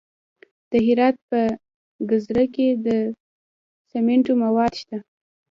د هرات په ګذره کې د سمنټو مواد شته.